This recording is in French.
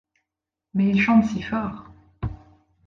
Mais ils chantent si fort !